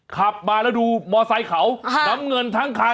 ขับมาแล้วดูมอไซค์เขาน้ำเงินทั้งคัน